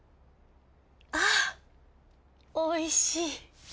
あおいしい。